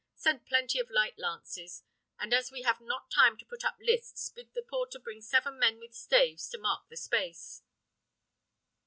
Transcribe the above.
Send plenty of light lances; and as we have not time to put up lists, bid the porter bring seven men with staves to mark the space."